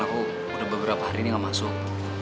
aku udah beberapa hari ini gak masuk